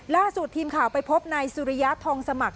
ล่าสุดทีมข่าวไปพบนายสุริยะทองสมัคร